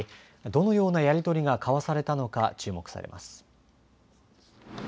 どのようなやり取りが交わされたのか注目されます。